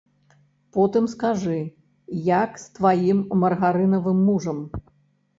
Потым скажы, як з тваім маргарынавым мужам?